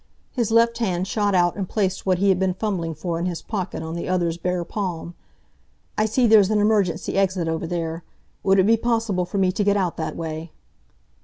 His left hand shot out and placed what he had been fumbling for in his pocket on the other's bare palm. "I see there's an emergency exit over there. Would it be possible for me to get out that way?"